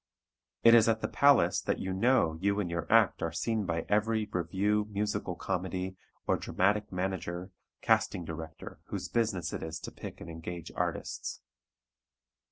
It is at the Palace that you know you and your act are seen by every revue, musical comedy, or dramatic manager, casting director whose business it is to pick and engage artists.